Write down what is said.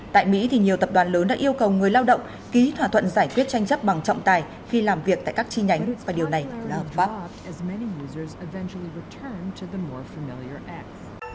tại mỹ nhiều tập đoàn lớn đã yêu cầu người lao động ký thỏa thuận giải quyết tranh chấp bằng trọng tài khi làm việc tại các chi nhánh và điều này là hợp pháp